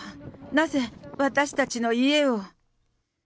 なぜ私たちの家を。